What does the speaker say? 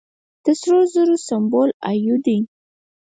د سرو زرو سمبول ای یو دی.